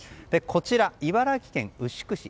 こちら茨城県牛久市。